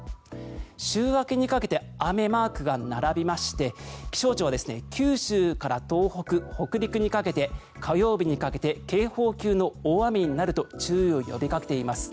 週明けにかけて雨マークが並びまして気象庁は九州から東北、北陸にかけて火曜日にかけて警報級の大雨になると注意を呼びかけています。